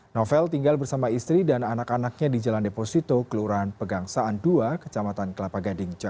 novel tinggal bersama istri dan anak anaknya di jalan deposito kelurahan pegangsaan dua kecamatan kelapa gading